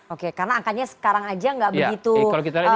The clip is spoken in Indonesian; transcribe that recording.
oke karena angkanya sekarang aja nggak begitu